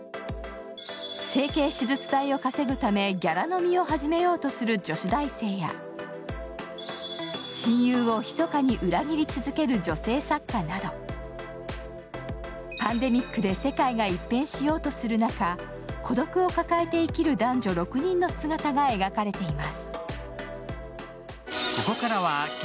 整形手術代を稼ぐためギャラ飲みを始めようとする女子大生や親友をひそかに裏切り続ける女性作家などパンデミックで世界が一変しようとする中、孤独を抱えて生きる男女６人の姿が描かれています。